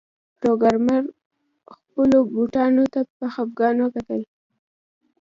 پروګرامر خپلو بوټانو ته په خفګان وکتل